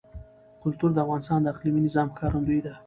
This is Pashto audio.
کلتور د افغانستان د اقلیمي نظام ښکارندوی ده.